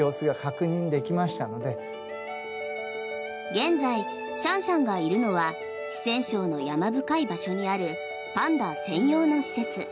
現在、シャンシャンがいるのは四川省の山深い場所にあるパンダ専用の施設。